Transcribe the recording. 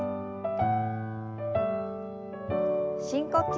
深呼吸。